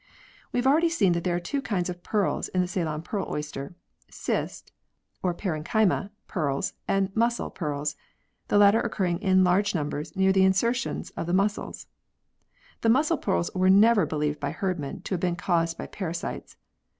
We have already seen that there are two kinds of pearls in the Ceylon pearl oyster, " cyst " (or parenchyma) pearls and " muscle " pearls, the latter occurring in large numbers near the insertions of the muscles. The muscle pearls were never believed by Herdman to have been caused by parasites.